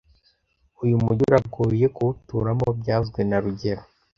Uyu mujyi uragoye kuwuturamo byavuzwe na rugero